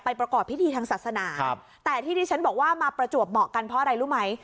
ประกอบพิธีทางศาสนาแต่ที่ที่ฉันบอกว่ามาประจวบเหมาะกันเพราะอะไรรู้ไหม